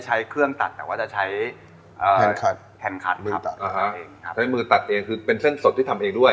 ใช้มือตัดเองใช้มือตัดเองคือเป็นเส้นสดที่ทำเองด้วย